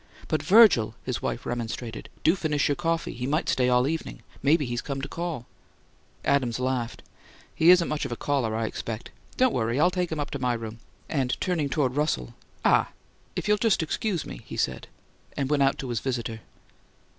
"But, Virgil," his wife remonstrated, "do finish your coffee; he might stay all evening. Maybe he's come to call." Adams laughed. "He isn't much of a caller, I expect. Don't worry: I'll take him up to my room." And turning toward Russell, "Ah if you'll just excuse me," he said; and went out to his visitor.